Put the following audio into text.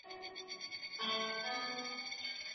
هوډ انسان هڅو ته اړ باسي.